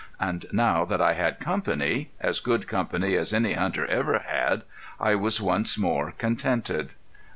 And now that I had company as good company as any hunter ever had I was once more contented.